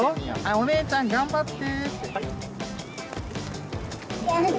「お姉ちゃん頑張って」って。